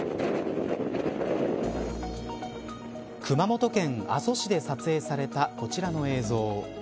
熊本県阿蘇市で撮影されたこちらの映像。